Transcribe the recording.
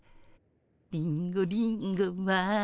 「リンゴリンゴは」